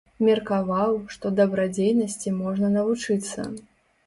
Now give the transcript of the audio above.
Меркаваў, што дабрадзейнасці можна навучыцца.